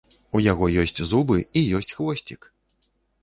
У яго ёсць зубы і ёсць хвосцік!